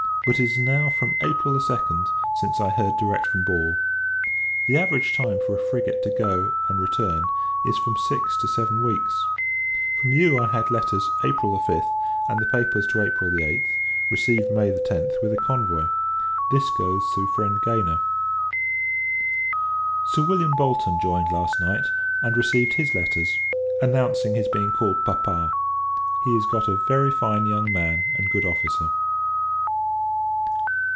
but, it is now from April 2d, since I have heard direct from Ball. The average time for a frigate to go, and return, is from six to seven weeks. From you, I had letters, April 5th, and the papers to April 8th, received May 10th, with a convoy. This goes through friend Gayner. Sir William Bolton joined last night; and received his letters, announcing his being called papa. He is got a very fine young man and good officer.